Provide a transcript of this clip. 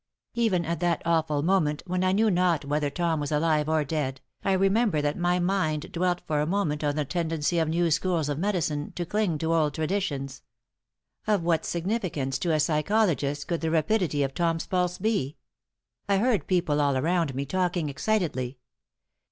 Even at that awful moment, when I knew not whether Tom was alive or dead. I remember that my mind dwelt for a moment on the tendency of new schools of medicine to cling to old traditions. Of what significance to a psychologist could the rapidity of Tom's pulse be? I heard people all around me talking excitedly.